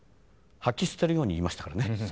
吐き捨てるように言いましたからね。